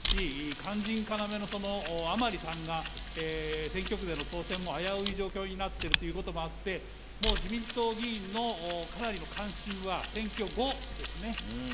肝心要の甘利さんが選挙区での当選も危うい状況になってるということもあってもう自民党議員のかなりの関心は選挙後ですね。